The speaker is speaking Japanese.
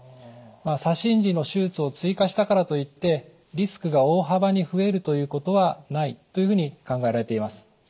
左心耳の手術を追加したからといってリスクが大幅に増えるということはないというふうに考えられています。